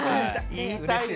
言いたいね。